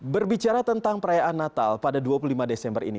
berbicara tentang perayaan natal pada dua puluh lima desember ini